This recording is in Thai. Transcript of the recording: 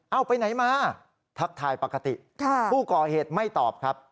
เอาไปไหนมาทักทายปกติผู้ก่อเหตุไม่ตอบครับ